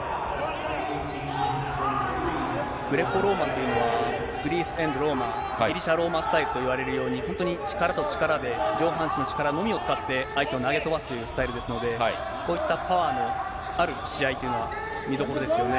グレコローマンというのは、グリース・エンド・ローマ、ギリシャローマスタイルといわれるように、力と力で上半身の力のみを使って、相手を投げ飛ばすというスタイルですので、こういったパワーのある試合というのは、見どころですよね。